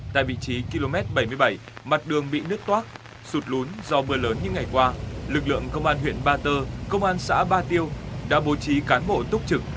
tại vị trí km bảy mươi bảy mặt đường bị nứt toát sụt lún do mưa lớn như ngày qua lực lượng công an huyện ba tơ công an xã ba tiêu đã bố trí cán bộ túc trực